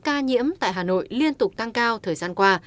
ca nhiễm tại hà nội liên tục tăng cao thời gian qua